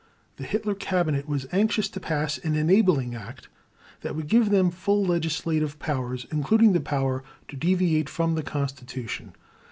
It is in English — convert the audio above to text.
The Hitler Cabinet was anxious to pass an "Enabling Act" that would give them full legislative powers, including the power to deviate from the Constitution.